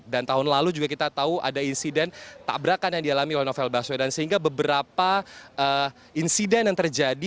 dan tahun lalu juga kita tahu ada insiden tabrakan yang dialami oleh novel baswedan sehingga beberapa insiden yang terjadi